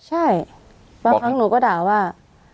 ใช่บางครั้งหนูก็ด่าว่า